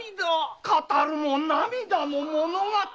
語るも涙の物語。